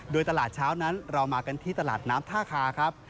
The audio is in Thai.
โดยตลาดเช้านั้นเรามากันที่ตลาดน้ำท่าคาครับ